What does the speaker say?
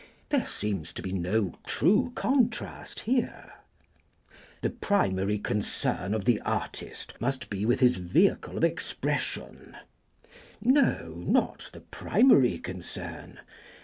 There seems to be no true contrast here. "The primary concern of the artist must be with his vehicle of expression" no not the primary concern.